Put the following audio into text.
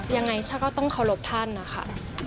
ยังไงฉันก็ต้องเคารพท่านนะคะ